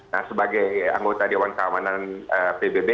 nah sebagai anggota dewan keamanan pbb